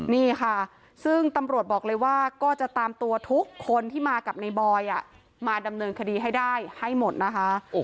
นี่ค่ะซึ่งตำรวจบอกเลยว่าก็จะตามตัวทุกคนที่มากับในบอยมาดำเนินคดีให้ได้ให้หมดนะคะ